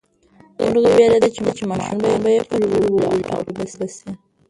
مرغۍ وېرېده چې ماشومان به یې په تیږو وولي او ټپي به شي.